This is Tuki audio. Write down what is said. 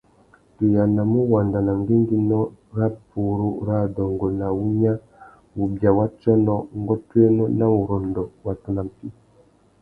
Tu yānamú uwanda nà ngüéngüinô râ purú râ adôngô nà wunya, wubia wa tsônô, ngôtōénô na wurrôndô watu nà mpí.